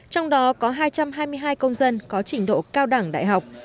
trong đó có hai trăm hai mươi hai công dân có trình độ cao đẳng đại học